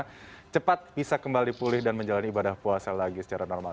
jadi juga di sana cepat bisa kembali pulih dan menjalani ibadah puasa lagi secara normal